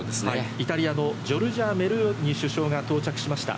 イタリアのジョルジャ・メローニ首相が到着しました。